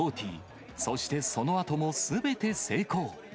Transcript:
そしてそのあともすべて成功。